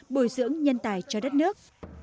bồi dưỡng nhân tài cho đất nước